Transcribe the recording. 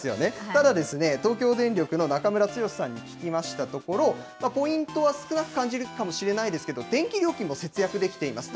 ただですね、東京電力の中村剛さんに聞きましたところ、ポイントは少なく感じるかもしれないですけど、電気料金も節約できています。